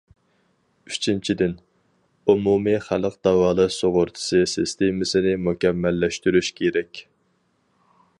ئۈچىنچىدىن، ئومۇمىي خەلق داۋالاش سۇغۇرتىسى سىستېمىسىنى مۇكەممەللەشتۈرۈش كېرەك.